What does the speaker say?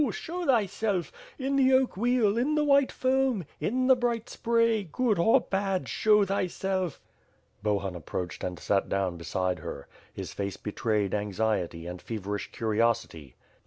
Show thyself! In the oak wheel, in the white foam, in the bright spray, good, or bad, show thyself." Bohun approached and sat down beside her. His face be trayed anxiety and feverish curiosity.